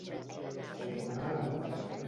Tornar a contar.